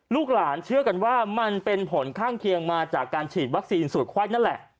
ลูกหลานเชื่อกันว่ามันเป็นผลข้างเคียงมาจากการฉีดวัคซีนสูตรไข้นั่นแหละ